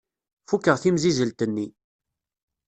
Fukeɣ timsizzelt-nni.